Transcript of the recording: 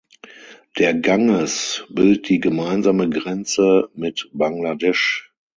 Der Ganges bildet die gemeinsame Grenze mit Bangladesch.